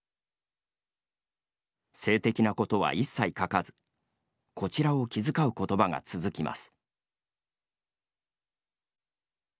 性的なことは一切書かずこちらを気遣うことばが続きます。